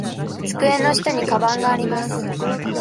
机の下にかばんがあります。